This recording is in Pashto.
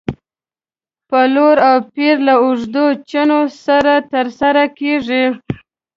پلور او پېر له اوږدو چنو سره تر سره کېږي.